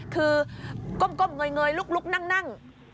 คือก้มเงยลุกนั่ง